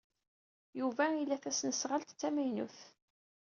Yuba ila tasnasɣalt d tamaynut.